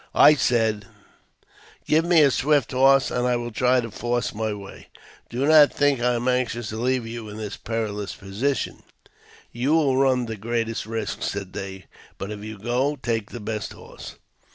I said, " Give me a swift horse, and I will try to force my way. Do not think I am anxious to leave you in your perilous posi tion." '' You will run the greatest risk," said they. " But if you go, take the best horse."